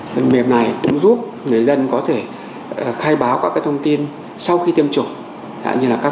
phần mềm này cũng giúp người dân có thể khai báo các cái thông tin sau khi tiêm chủng như là các